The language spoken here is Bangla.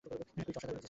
পিট অসাধারণ একটা ছেলে!